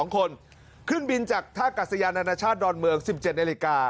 ๒คนขึ้นบินจากท่ากัศยานานาชาติดอนเมือง๑๗นาฬิกา